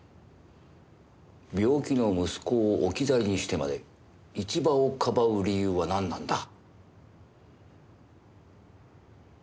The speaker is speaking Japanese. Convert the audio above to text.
病気の息子を置き去りにしてまで一場をかばう理由はなんなんだ？